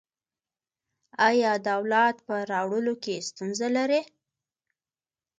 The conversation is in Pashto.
ایا د اولاد په راوړلو کې ستونزه لرئ؟